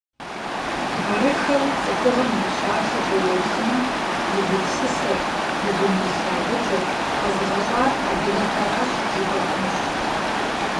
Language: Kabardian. Арыххэуи, цӀыхугъэм и пщалъэкӀэ уеплъмэ, и гупсысэр, и дуней лъагъукӀэр къэзыгъэщӀар адыгэхэращ, жыпӀэ хъунущ.